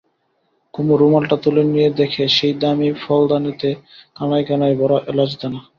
কুমু রুমালটা তুলে নিয়ে দেখে সেই দামী ফলদানিতে কানায়-কানায় ভরা এলাচদানা।